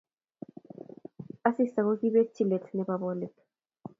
Asista kokibetyi let nebo boliik.